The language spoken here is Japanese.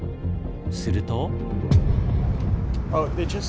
すると。